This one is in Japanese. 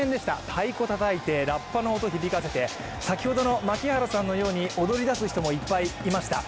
太鼓たたいて、らっぱの音響かせて、先ほどの槙原さんのように踊り出す人もいっぱいいました。